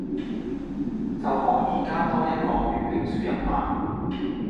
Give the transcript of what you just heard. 就可以加多一個粵拼輸入法